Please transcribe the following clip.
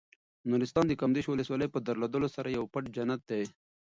نورستان د کامدېش ولسوالۍ په درلودلو سره یو پټ جنت دی.